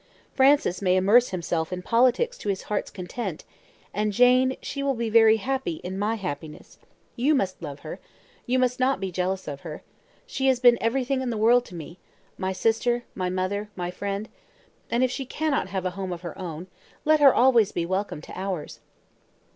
Francis may immerse himself in politics to his heart's content; and Jane, she will be very happy in my happiness. You must love her; you must not be jealous of her. She has been everything in the world to me my sister, my mother, my friend; and if she cannot have a home of her own, let her always be welcome to ours."